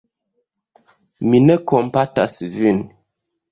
Mi ne kompatas vin.